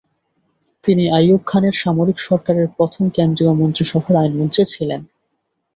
তিনি আইয়ুব খানের সামরিক সরকারের প্রথম কেন্দ্রীয় মন্ত্রিসভার আইনমন্ত্রী ছিলেন।